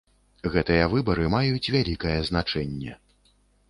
Гэтыя выбары маюць вялікае значэнне.